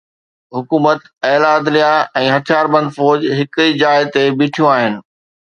حڪومت، اعليٰ عدليه ۽ هٿياربند فوج هڪ ئي جاءِ تي بيٺيون آهن.